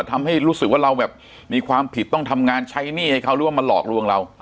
ทำให้รู้สึกว่าเราแบบมีความผิดต้องทำงานใช้หนี้ให้เขาหรือว่ามาหลอกลวงเรา